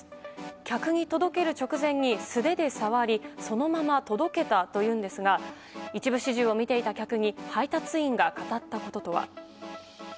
客に届ける直前に素手で触りそのまま届けたというんですが一部始終を見ていた客に配達員が語ったこととは。